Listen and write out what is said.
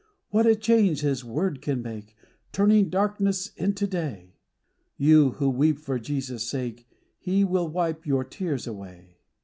What a change His word can make, Turning darkness into day ! You who weep for Jesus' sake, He will wipe your tears away.